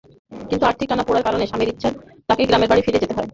কিন্তু আর্থিক টানাপোড়েনের কারণে স্বামীর ইচ্ছায় তাঁকে গ্রামের বাড়ি ফিরে যেতে হয়।